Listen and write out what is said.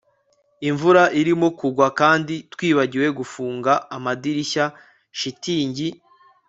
Imvura irimo kugwa kandi twibagiwe gufunga amadirishya shitingi